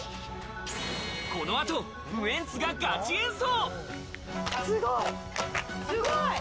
この後、ウエンツがガチ演奏。